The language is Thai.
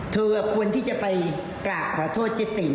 เธอควรที่จะไปตราบขอโทษเจ๊ติ๋ม